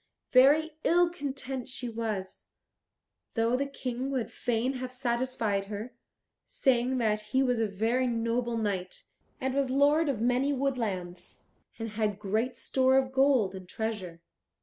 Very ill content she was, though the King would fain have satisfied her, saying that he was a very noble knight, and was lord of many woodlands, and had great store of gold and treasure.